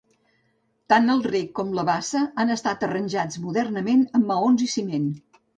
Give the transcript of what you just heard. Tant el rec com la bassa han estat arranjats modernament amb maons i ciment.